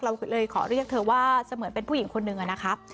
เราเลยขอเรียกเธอว่าเสมือนเป็นผู้หญิงคนหนึ่งนะครับ